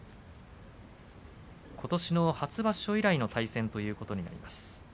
ことしの初場所以来の対戦ということになります。